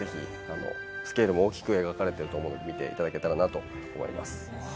スケールも大きく描かれているので、ぜひ見ていただけたらなと思っています。